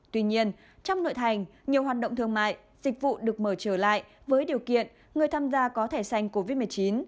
tuy nhiên trong nội thành nhiều hoạt động thương mại dịch vụ được mở trở lại với điều kiện người tham gia có thẻ xanh covid một mươi chín